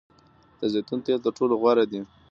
د زیتون تیل تر ټولو غوره دي.